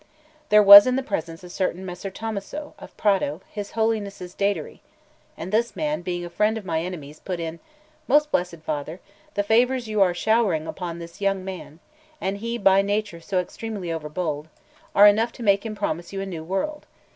There was in the presence a certain Messer Tommaso, of Prato, his Holiness' Datary; and this man, being a friend of my enemies, put in: "Most blessed Father, the favours you are showering upon this young man (and he by nature so extremely overbold) are enough to make him promise you a new world.